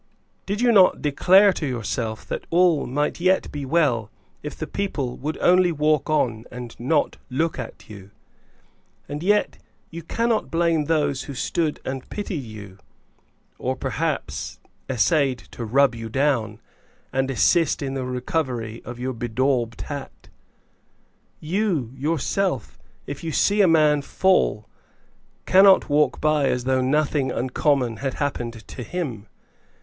Did you not declare to yourself that all might yet be well, if the people would only walk on and not look at you? And yet you cannot blame those who stood and pitied you; or, perhaps, essayed to rub you down, and assist you in the recovery of your bedaubed hat. You, yourself, if you see a man fall, cannot walk by as though nothing uncommon had happened to him.